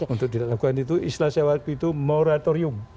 untuk dilakukan itu istilah saya waktu itu moratorium